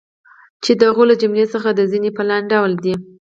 چی د هغو له جملی څخه د ځینی په لاندی ډول دی